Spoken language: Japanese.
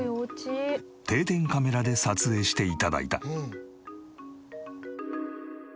定点カメラで撮影して頂いた。